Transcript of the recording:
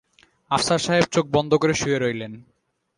আফসার সাহেব চোখ বন্ধ করে শুয়ে রইলেন।